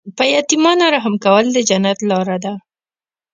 په یتیمانو رحم کول د جنت لاره ده.